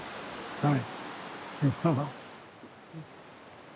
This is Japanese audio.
はい。